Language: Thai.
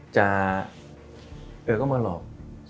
เธอก็มาหลอก